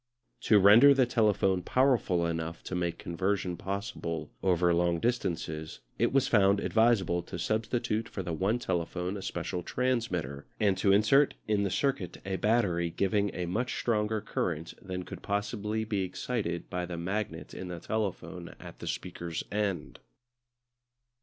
To render the telephone powerful enough to make conversation possible over long distances it was found advisable to substitute for the one telephone a special transmitter, and to insert in the circuit a battery giving a much stronger current than could possibly be excited by the magnet in the telephone at the speaker's end.